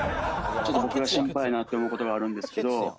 ちょっと僕がシンパイやなって思う事があるんですけど。